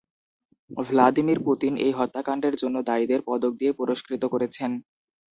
Vladimir Putin এই হত্যাকাণ্ডের জন্য দায়ীদের পদক দিয়ে পুরস্কৃত করেছেন।